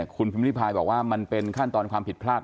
คุณพิมพิพายบอกว่ามันเป็นขั้นตอนพิผลาช